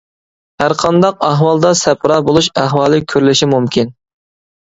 ھەرقانداق ئەھۋالدا سەپرا بولۇش ئەھۋالى كۆرۈلۈشى مۇمكىن.